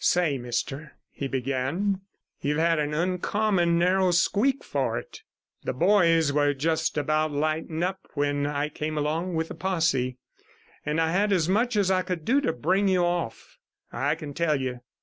'Say, mister,' he began, 'you've had an uncommon narrow squeak for it. The boys were just about lighting up when I came along with the posse, and I had as much as I could do to bring you off, I can tell you.